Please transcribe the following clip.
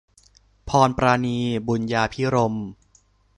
พรปราณี บุญญาภิรมย์